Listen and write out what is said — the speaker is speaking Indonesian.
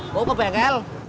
mau ke bengkel